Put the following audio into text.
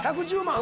１１０万。